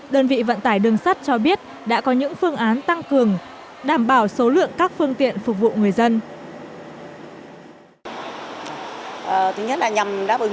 đơn vị vận tải đường sắt cho biết đã có những phương án tăng cường đảm bảo số lượng các phương tiện phục vụ người dân